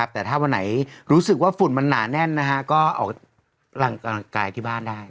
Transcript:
แต่ถ้าวันไหนรู้สึกว่าฝุ่นมันหนาแน่นก็ออกกำลังกายที่บ้านได้